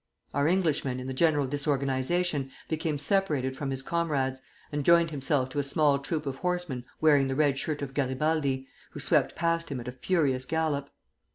Our Englishman, in the general disorganization, became separated from his comrades, and joined himself to a small troop of horsemen wearing the red shirt of Garibaldi, who swept past him at a furious gallop.